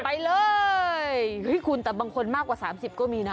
ไปเลยคุณแต่บางคนมากกว่า๓๐ก็มีนะ